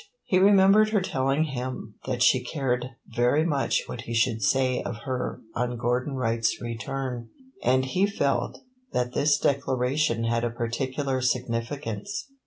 He remembered her telling him that she cared very much what he should say of her on Gordon Wright's return, and he felt that this declaration had a particular significance.